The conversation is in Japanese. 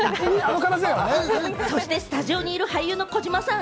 そしてスタジオにいる俳優の児嶋さん！